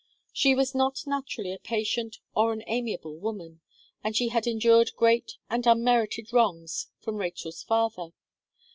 She was not naturally a patient or an amiable woman; and she had endured great and unmerited wrongs from Rachel's father.